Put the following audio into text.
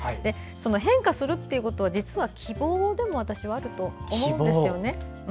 変化するということは実は希望でもあると私は思うんですよ。